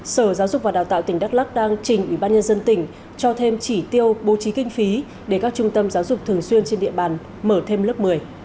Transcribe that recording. sở giáo dục và đào tạo tỉnh đắk lắc đang trình ủy ban nhân dân tỉnh cho thêm chỉ tiêu bố trí kinh phí để các trung tâm giáo dục thường xuyên trên địa bàn mở thêm lớp một mươi